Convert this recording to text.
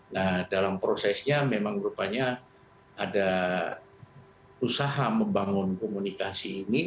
nah dalam prosesnya memang rupanya ada usaha membangun komunikasi ini